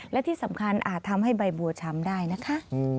และที่สำคัญอาจทำให้ใบบัวช้ำได้นะคะ